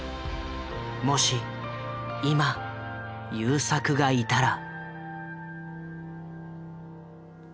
もし今優作がいたら。